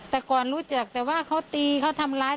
แต่ก่อนรู้จักแต่ว่าเขาตีเขาทำร้าย